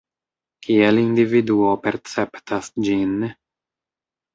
Kiel individuo perceptas ĝin?